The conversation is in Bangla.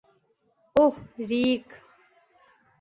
ওহ, রিক।